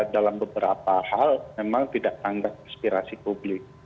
dalam beberapa hal memang tidak tanggap inspirasi publik